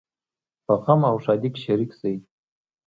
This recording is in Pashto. په غم او ښادۍ کې شریک شئ